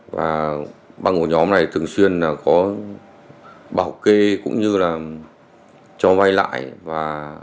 và băng của nhóm này thường xuyên là có bảo kê cũng như là